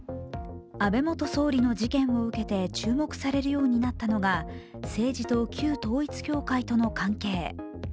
安倍元総理の事件を受けて注目されるようになったのが政治と旧統一教会との関係。